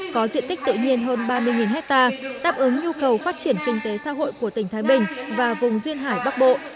có diện tích tự nhiên hơn ba mươi hectare đáp ứng nhu cầu phát triển kinh tế xã hội của tỉnh thái bình và vùng duyên hải bắc bộ